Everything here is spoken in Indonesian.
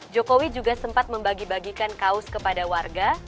jokowi juga sempat membagi bagikan kaos kepada warga